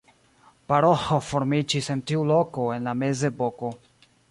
Paroĥo formiĝis en tiu loko en la mezepoko.